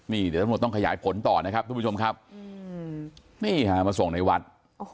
นี่เดี๋ยวต้องไขยายผลต่อนเนี่ยครับทุกผู้พยมชมครับนี่ฮะมาส่งในวัดโอ้โห